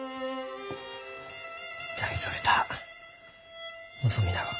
大それた望みながか？